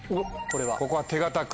ここは手堅く。